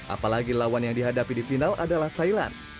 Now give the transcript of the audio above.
apalagi lawan yang dihadapi di final adalah thailand